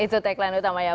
itu tagline utama ya